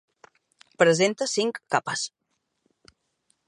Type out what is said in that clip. Presenta cinc capes.